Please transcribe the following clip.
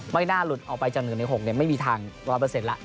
ไม่น่าหลุดออกไปจาก๑ใน๖ไม่มีทาง๑๐๐แล้ว